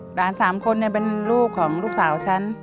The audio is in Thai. ๓คนเป็นลูกของลูกสาวฉัน